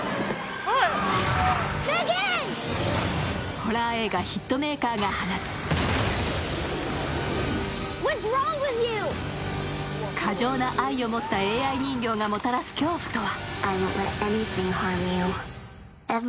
ホラー映画ヒットメーカーが放つ、過剰な愛を持ったＡＩ人形がもたらす恐怖とは？